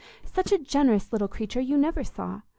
Such a generous little creature you never saw!